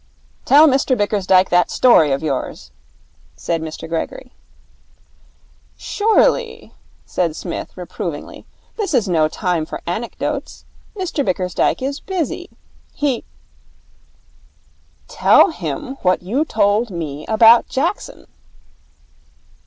'Tell Mr Bickersdyke that story of yours,' said Mr Gregory. 'Surely,' said Psmith reprovingly, 'this is no time for anecdotes. Mr Bickersdyke is busy. He ' 'Tell him what you told me about Jackson.'